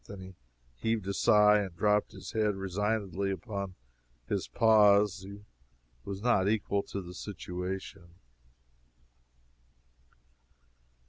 Then he heaved a sigh and dropped his head resignedly upon his paws. He was not equal to the situation.